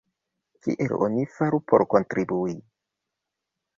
Kiel oni faru por kontribui?